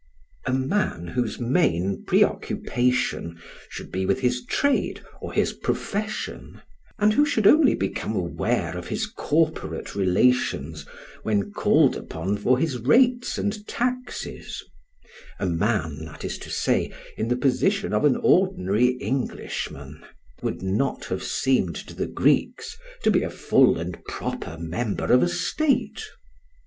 A man whose main pre occupation should be with his trade or his profession, and who should only become aware of his corporate relations when called upon for his rates and taxes a man, that is to say, in the position of an ordinary Englishman would not have seemed to the Greeks to be a full and proper member of a state.